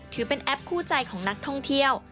ถือเป็นแอปคู่ใจของนักท่องเที่ยว